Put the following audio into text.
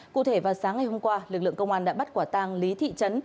cụ thể vào sáng ngày hôm qua lực lượng công an đã bắt quả tang lý thị trấn